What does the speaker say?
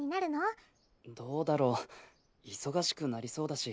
どうだろう忙しくなりそうだし。